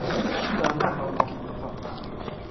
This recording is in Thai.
ดังนั้นหากเรามองในมุมความต่าง